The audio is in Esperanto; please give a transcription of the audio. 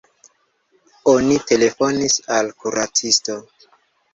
Oni telefonis al kuracisto.